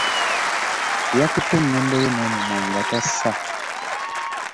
Yakutte ennyindo ye n'omumwa nga tassa.